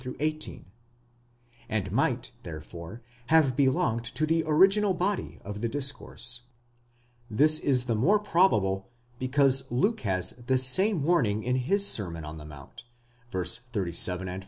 16 18), and might, therefore, have belonged to the original body of the discourse. This is the more probable because Luke has the same warning in his Sermon on the Mount (37 f.